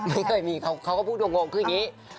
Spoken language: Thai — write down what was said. ไม่เคยมีเขาก็พูดงงคืออย่างนี้